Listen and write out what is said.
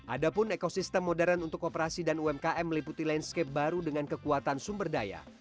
ada pun ekosistem modern untuk kooperasi dan umkm meliputi landscape baru dengan kekuatan sumber daya